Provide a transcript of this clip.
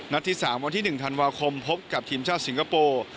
ที่๓วันที่๑ธันวาคมพบกับทีมชาติสิงคโปร์